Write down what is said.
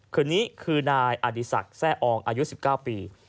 คนนี้คือนายอดีศักดิ์แทร่องอายุ๑๙ปี